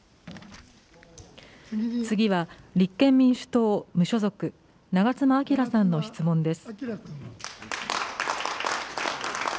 次は立憲民主党・無所属、長妻昭さんの質問です。